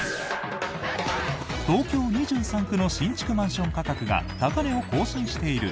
東京２３区の新築マンション価格が高値を更新している